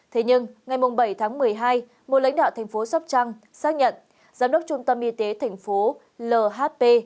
thế nhưng ngày bảy tháng một mươi hai một lãnh đạo thành phố sóc trăng xác nhận giám đốc trung tâm y tế thành phố lhp